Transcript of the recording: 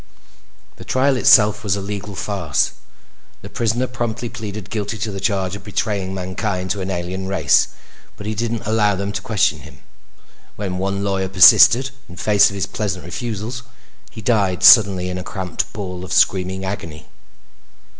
The trial itself was a legal farce. The prisoner promptly pleaded guilty to the charge of betraying mankind to an alien race, but he didn't allow them to question him. When one lawyer persisted in face of his pleasant refusals, he died suddenly in a cramped ball of screaming agony.